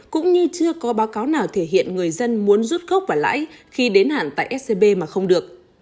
cũng như chưa có báo cáo nào thể hiện người dân muốn rút gốc và lãi khi đến hạn tại scb mà không được